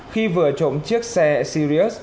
khi vừa trộm chiếc xe sirius